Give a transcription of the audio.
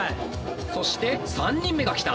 そして３人目が来た。